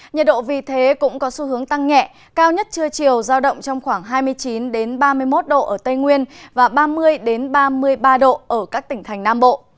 nhiệt độ vì thế cũng có xu hướng tăng nhẹ cao nhất trưa chiều giao động trong khoảng hai mươi chín ba mươi một độ ở tây nguyên và ba mươi ba mươi ba độ ở các tỉnh thành nam bộ